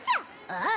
ああ！